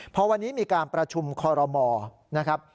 พอวันนี้มีการประชุมคอรมอนะครับ